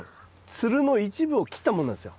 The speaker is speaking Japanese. つるの一部を切ったものなんですよ。